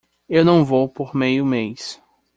Eu não vou por meio mês.